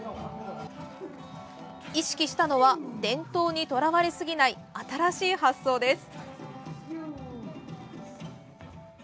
意識したのは伝統にとらわれすぎない新しい発想です。